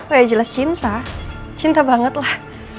oh ya jelas cinta cinta banget lah